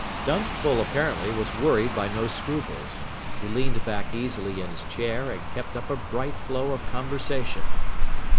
Dunstable, apparently, was worried by no scruples. He leaned back easily in his chair, and kept up a bright flow of conversation.